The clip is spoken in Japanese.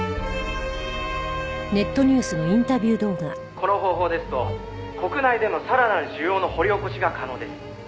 「この方法ですと国内でのさらなる需要の掘り起こしが可能です」